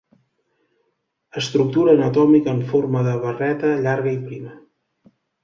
Estructura anatòmica en forma de barreta llarga i prima.